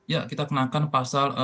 ya kita kenakan pasal